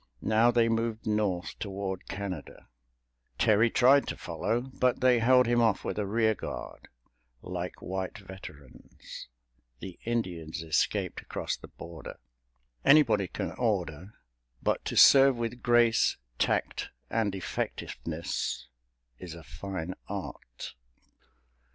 Now they moved North toward Canada. Terry tried to follow, but they held him off with a rear guard, like white veterans. The Indians escaped across the border. Anybody can order, but to serve with grace, tact and effectiveness is a fine art.